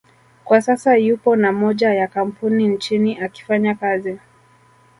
kwa sasa yupo na moja ya kampuni nchini akifanya kazi